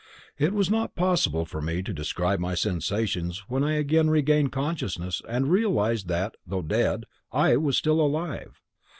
It was not possible for me to describe my sensations when I again regained consciousness and realized that, though dead, I was still alive.